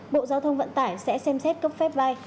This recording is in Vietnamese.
bộ giao thông vận tải sẽ xem xét cấp phép bay